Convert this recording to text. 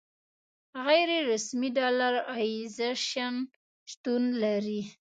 غیر رسمي ډالرایزیشن شتون لري.